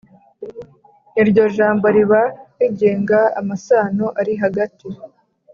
Iryo jambo riba rigenga amasano arihagati